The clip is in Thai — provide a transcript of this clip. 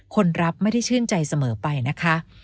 คนรับไม่ได้ชื่นใจเสมอไปนะคะ